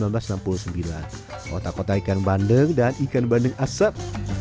kota kota ikan bandeng dan ikan bandeng asap